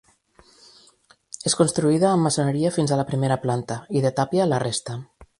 És construïda amb maçoneria fins a la primera planta i de tàpia la resta.